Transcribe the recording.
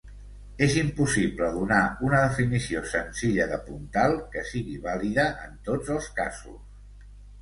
És impossible donar una definició senzilla de puntal que sigui vàlida en tots els casos.